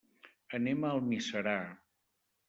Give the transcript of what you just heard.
Anem a Almiserà.